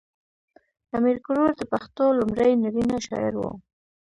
امیر کروړ د پښتو لومړی نرینه شاعر و .